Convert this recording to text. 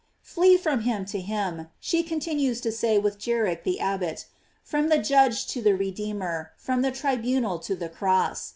Flee from him to him, she continues to say with Guerric the Abbot; from the Judge to the Redeemer, from the tribunal to the cross.